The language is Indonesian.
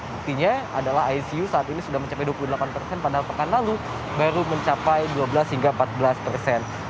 buktinya adalah icu saat ini sudah mencapai dua puluh delapan persen padahal pekan lalu baru mencapai dua belas hingga empat belas persen